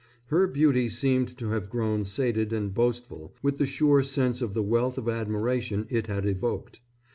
Her beauty seemed to have grown sated and boastful with the sure sense of the wealth of admiration it had evoked.